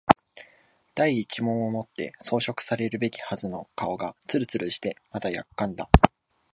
第一毛をもって装飾されるべきはずの顔がつるつるしてまるで薬缶だ